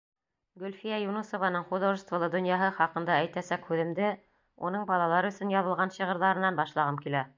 Гөлфиә Юнысованың художестволы донъяһы хаҡында әйтәсәк һүҙемде уның балалар өсөн яҙылған шиғырҙарынан башлағым килә.